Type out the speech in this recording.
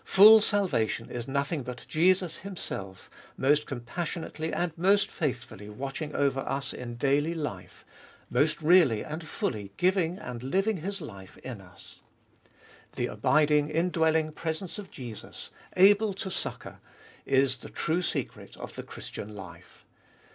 Full salvation is nothing but Jesus Himself, most compassionately and most faithfully watching over us in daily life, most really and fully giving and living His life in us. The abiding, indwelling presence of Jesus, able to succour, is the true secret of the Christian life.